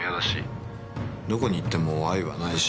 どこに行っても愛はないし。